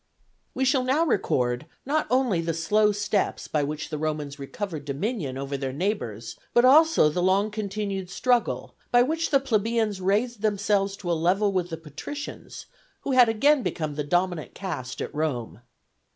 We shall now record, not only the slow steps by which the Romans recovered dominion over their neighbors, but also the long continued struggle by which the plebeians raised themselves to a level with the patricians, who had again become the dominant caste at Rome.